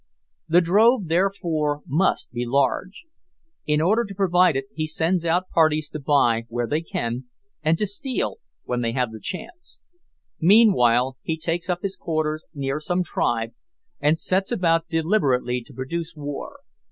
The drove, therefore, must be large. In order to provide it he sends out parties to buy where they can, and to steal when they have the chance. Meanwhile he takes up his quarters near some tribe, and sets about deliberately to produce war.